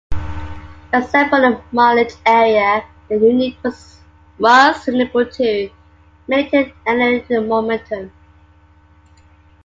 Except for the Munich area, the unit was unable to maintain any momentum.